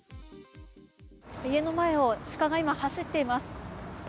家の前を鹿が今、走っています。